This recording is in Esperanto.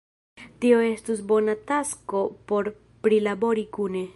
tio estus bona tasko por prilabori kune.